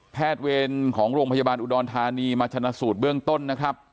เวรของโรงพยาบาลอุดรธานีมาชนะสูตรเบื้องต้นนะครับ